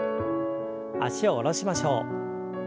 脚を下ろしましょう。